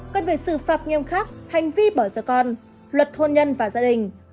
cần về xử phạt nghiêm khắc hành vi bỏ rơi con luật hôn nhân và gia đình